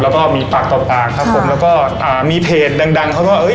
แล้วก็มีปากต่อปากครับผมแล้วก็อ่ามีเพจดังดังเขาก็เอ้